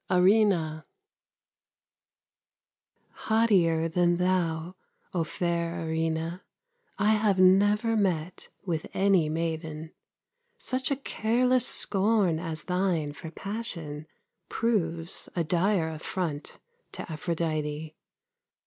ERINNA Haughtier than thou, O fair Erinna, I have never met with any maiden. Such a careless scorn as thine for passion Proves a dire affront to Aphrodite.